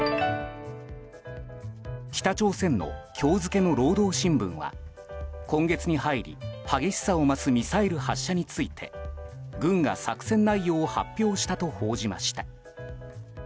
北朝鮮の今日付の労働新聞は今月に入り激しさを増すミサイル発射について軍が作戦内容を発表したと報じました。